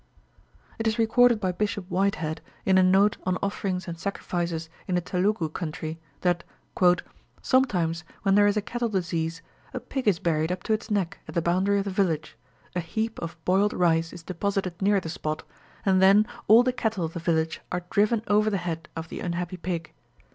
It is recorded by Bishop Whitehead, in a note on offerings and sacrifices in the Telugu country, that "sometimes, when there is a cattle disease, a pig is buried up to its neck at the boundary of the village, a heap of boiled rice is deposited near the spot, and then all the cattle of the village are driven over the head of the unhappy pig....